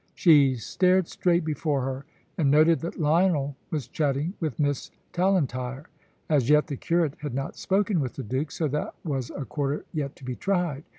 She stared straight before her, and noted that Lionel was chatting with Miss Tallentire. As yet the curate had not spoken with the Duke, so that was a quarter yet to be tried.